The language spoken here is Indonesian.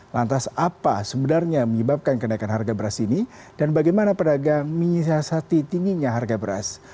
lantas apa sebenarnya menyebabkan kenaikan harga beras ini dan bagaimana pedagang menyisati tingginya harga beras